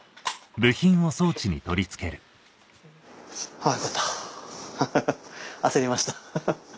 ハァよかったハハハ焦りました。